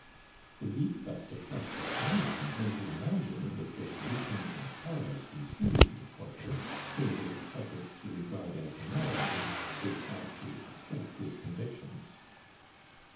The deep but suppressed astonishment may be imagined with which Lucien and Carlos received the porter, whom they affected to regard as a madman; they tried to upset his convictions.